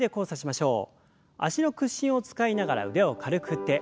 脚の屈伸を使いながら腕を軽く振って。